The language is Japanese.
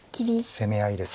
攻め合いです